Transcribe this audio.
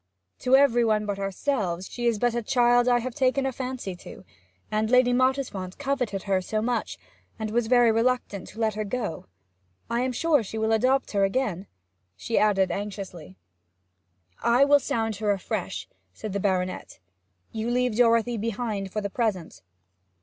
To every one but ourselves she is but a child I have taken a fancy to, and Lady Mottisfont coveted her so much, and was very reluctant to let her go ... I am sure she will adopt her again?' she added anxiously. 'I will sound her afresh,' said the baronet. 'You leave Dorothy behind for the present?'